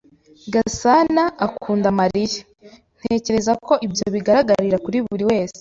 "Gasanaakunda Mariya." "Ntekereza ko ibyo bigaragarira buri wese."